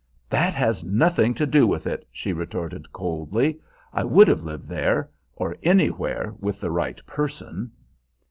"That has nothing to do with it," she retorted coldly. "I would have lived there, or anywhere, with the right person."